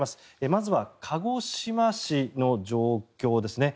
まずは、鹿児島市の状況ですね。